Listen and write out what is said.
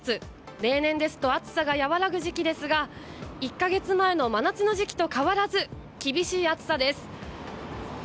例年ですと暑さが和らぐ時期ですが１か月前の真夏の時期と変わらず厳しい暑さです。